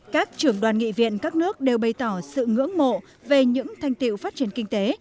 các trưởng đoàn nghị viện các nước đều bày tỏ sự ngưỡng mộ về những thành tiệu phát triển kinh tế